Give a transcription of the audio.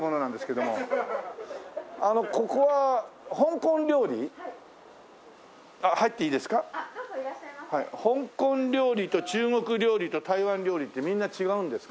香港料理と中国料理と台湾料理ってみんな違うんですか？